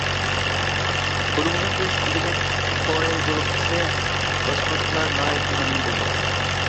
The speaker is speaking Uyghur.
بۇنىڭدىن بىز ئىگىلىك تورى گۇرۇپپىسى، باشقۇرغۇچىلار ناھايىتى مەمنۇن بولدۇق.